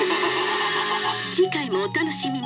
「次回もお楽しみに」。